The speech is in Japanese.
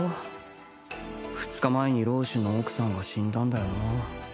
２日前に楼主の奥さんが死んだんだよな